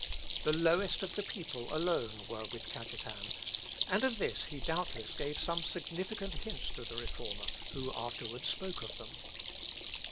The lowest of the people alone were with Cajetan; and of this he doubtless gave some significant hints to the Reformer, who afterwards spoke of them.